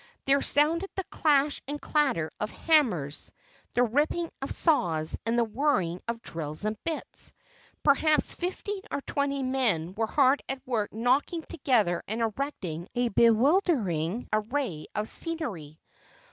There sounded the clash and clatter of hammers, the ripping of saws and the whirring of drills and bits. Perhaps fifteen or twenty men were hard at work knocking together and erecting a bewildering array of scenery.